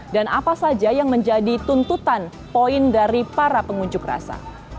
dan apa saja yang menjadi tuntutan poin dari para pengunjuk rasa